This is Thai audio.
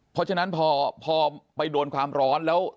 เพราะฉะนั้นพอไปโดนความร้อนแล้ว